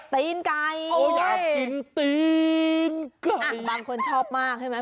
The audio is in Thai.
ตีนไก่โอ้อยากกินตีนบางคนชอบมากใช่ไหม